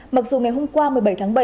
mặc dù ngày hôm qua một mươi bảy tháng bảy